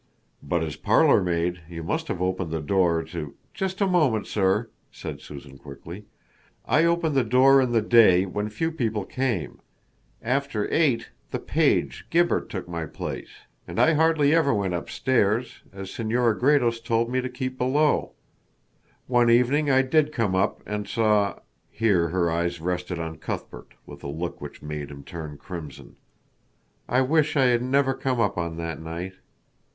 "But as parlor maid, you must have opened the door to " "Just a moment, sir," said Susan quickly. "I opened the door in the day when few people came. After eight the page, Gibber, took my place. And I hardly ever went upstairs, as Senora Gredos told me to keep below. One evening I did come up and saw " here her eyes rested on Cuthbert with a look which made him turn crimson. "I wish I had never come up on that night."